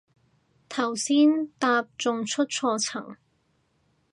頭先搭仲出錯層